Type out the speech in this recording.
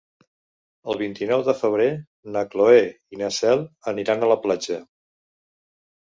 El vint-i-nou de febrer na Cloè i na Cel aniran a la platja.